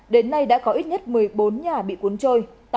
đến nay đã có ít nhất một mươi bốn nhà bị cuốn trôi